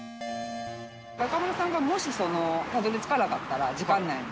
中丸さんがもし、たどりつかなかったら、時間内に。